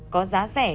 có giá rẻ